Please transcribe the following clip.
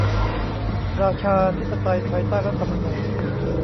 ราชาธิปไตยภายใต้รัฐธรรมนูญ